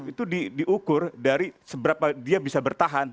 itu diukur dari seberapa dia bisa bertahan